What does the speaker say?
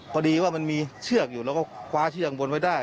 พอดีว่ามันมีเชือกอยู่แล้วก็คว้าเชือกข้างบนไว้ได้